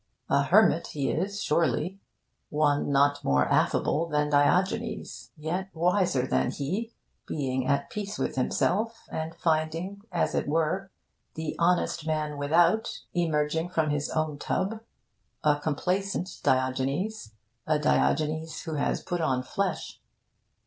A hermit he is, surely; one not more affable than Diogenes, yet wiser than he, being at peace with himself and finding (as it were) the honest man without emerging from his own tub; a complacent Diogenes; a Diogenes who has put on flesh.